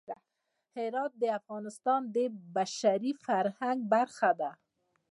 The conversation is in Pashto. هرات د افغانستان د بشري فرهنګ برخه ده.